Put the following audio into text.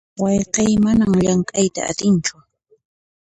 Wayqiy mana llamk'ayta atinchu.